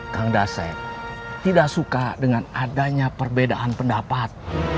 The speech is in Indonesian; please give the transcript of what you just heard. kang daset tidak suka dengan adanya perbedaan pendapat